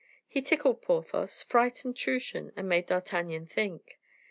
He tickled Porthos, frightened Truchen, and made D'Artagnan think.